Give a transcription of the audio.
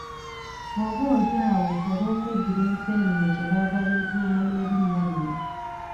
Oboolyawo olw’okweddira enseenene kye baava beetuuma n’erinnya lino.